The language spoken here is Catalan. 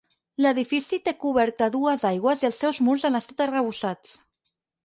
L'edifici té coberta a dues aigües i els seus murs han estat arrebossats.